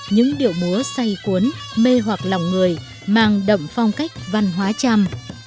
những điệu múa say cuốn mê hoạc lòng người mang đậm phong cách văn hóa chăm